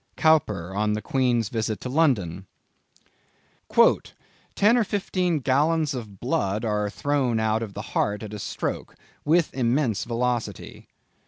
—Cowper, on the Queen's Visit to London. "Ten or fifteen gallons of blood are thrown out of the heart at a stroke, with immense velocity."